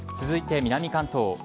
続いて南関東。